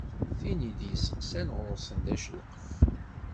Tin i d-yesteqsan ɣur-sen d acelqef.